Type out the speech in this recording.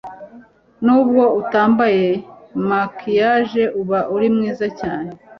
Nubwo atambaye maquillage aba ari mwiza cyane